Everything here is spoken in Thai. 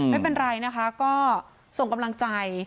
ไม่เป็นไรนะคะก็ส่งกำลังใจ